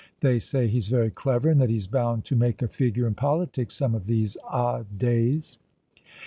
They say he's very clever, and that he's bound to make a figure in politics some of these odd days."